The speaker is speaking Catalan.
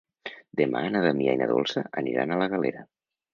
Demà na Damià i na Dolça aniran a la Galera.